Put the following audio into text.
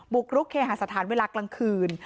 กรุกเคหาสถานเวลากลางคืน